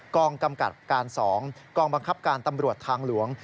กองกำกับการ๒กองบังคับการตำรวจทางหลวง